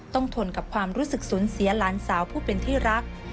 ทนกับความรู้สึกสูญเสียหลานสาวผู้เป็นที่รัก